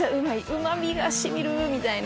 うまみが染みる！みたいな。